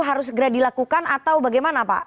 harus segera dilakukan atau bagaimana pak